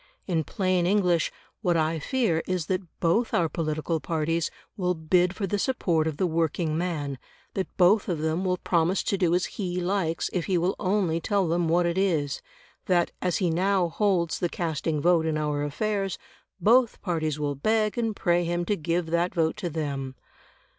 In plain English, what I fear is that both our political parties will bid for the support of the working man; that both of them will promise to do as he likes if he will only tell them what it is; that, as he now holds the casting vote in our affairs, both parties will beg and pray him to give that vote to them.